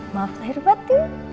maaf lahir batin